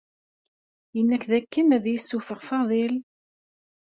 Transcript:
Yenna-ak d akken ad yessufeɣ Faḍil?